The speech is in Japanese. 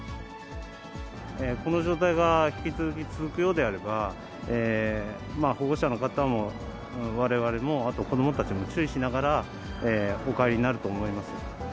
この状態が引き続き続くようであれば、保護者の方もわれわれも、あと子どもたちにも注意しながらお帰りになると思います。